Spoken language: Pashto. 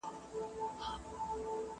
نن د اباسین د جاله وان حماسه ولیکه!.